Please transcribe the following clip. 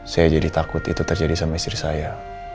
saya jadi takut itu terjadi sama istri saya